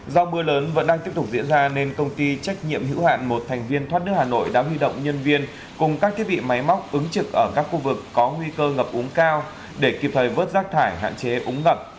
do mưa lớn vẫn đang tiếp tục diễn ra nên công ty trách nhiệm hữu hạn một thành viên thoát nước hà nội đã huy động nhân viên cùng các thiết bị máy móc ứng trực ở các khu vực có nguy cơ ngập úng cao để kịp thời vớt rác thải hạn chế úng ngập